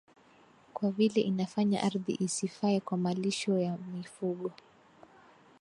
kwa vile inafanya ardhi isifae kwa malisho ya mifugo